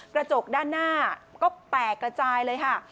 กระจกด้านหน้าก็แตกกระจายเลยค่ะ